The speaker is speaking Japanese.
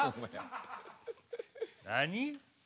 何？